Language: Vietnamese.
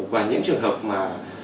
và những trường hợp mà